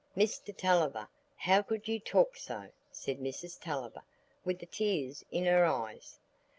"Mr Tulliver, how could you talk so?" said Mrs Tulliver, with the tears in her eyes.